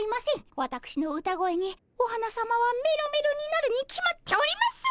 わたくしの歌声にお花さまはメロメロになるに決まっております！